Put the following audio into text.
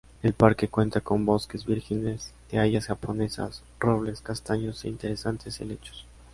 El parque cuenta con bosques vírgenes de hayas japonesas, robles, castaños e interesantes helechos.